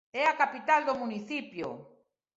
É a capital do municipio.